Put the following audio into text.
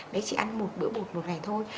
bé chỉ ăn một bữa bột một ngày thôi